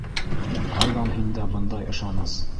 Ҡайҙан һиндә бындай ышаныс?